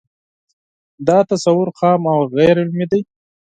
دا تصور خام او غیر علمي دی